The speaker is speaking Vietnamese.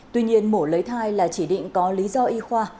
tuy nhiên mổ lấy thai là chỉ định có lý do y khoa